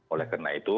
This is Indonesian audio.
oleh karena itu